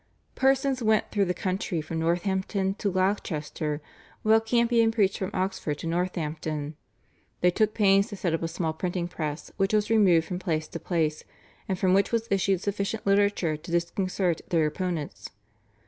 Persons went through the country from Northampton to Gloucester, while Campion preached from Oxford to Northampton. They took pains to set up a small printing press, which was removed from place to place, and from which was issued sufficient literature to disconcert their opponents.